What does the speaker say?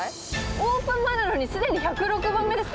オープン前なのに、すでに１０６番目ですか？